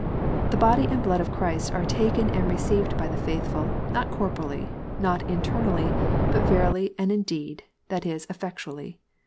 The body and blood of Christ are taken and received by the faithful, not corporally, not internally, but verily and indeed, that is effectually.